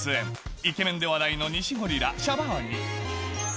イケメンで話題のゴリラ、シャバーニ。